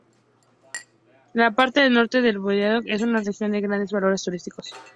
La parte del norte del voivodato es una región de grandes valores turísticos.